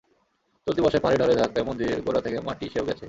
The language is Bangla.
চলতি বর্ষায় পাহাড়ি ঢলের ধাক্কায় মন্দিরের গোড়া থেকে মাটি সেও গেছে।